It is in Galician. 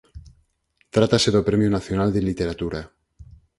Trátase do Premio Nacional de Literatura.